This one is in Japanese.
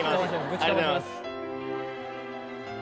ぶちかまします。